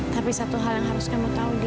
tapi satu hal yang harus kamu tahu